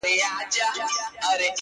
کۀ تاته ياد سي پۀ خبرو بۀ مو شپه وهله